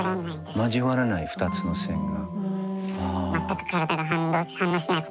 交わらない２つの線が。